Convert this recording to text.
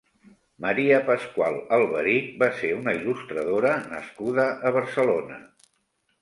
Maria Pascual Alberich va ser una il·lustradora nascuda a Barcelona.